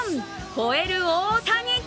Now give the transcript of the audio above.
吠える大谷！！！」